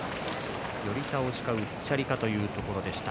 寄り倒しか、うっちゃりかというところでした。